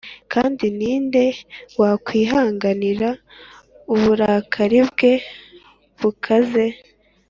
Kandi ni nde wakwihanganira uburakari bwe bukaze?